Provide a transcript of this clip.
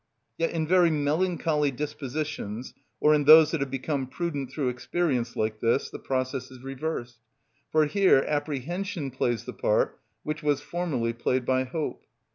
Yet in very melancholy dispositions, or in those that have become prudent through experience like this, the process is reversed, for here apprehension plays the part which was formerly played by hope.